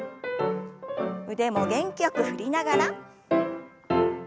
腕も元気よく振りながら。